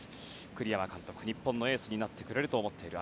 栗山監督は日本のエースになってくれると思っている。